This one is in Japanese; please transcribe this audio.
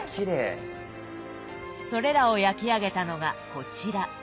それらを焼き上げたのがこちら。